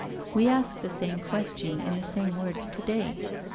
We ask the same question in the same words to day.